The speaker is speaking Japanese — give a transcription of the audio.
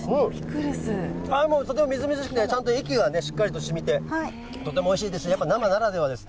もうとてもみずみずしくて、ちゃんと液がね、しっかりとしみて、とてもおいしいです、やっぱり、生ならではです。